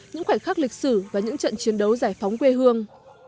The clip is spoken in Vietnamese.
những khoảnh khắc lịch sử và những trận chiến đấu giải phóng quê hương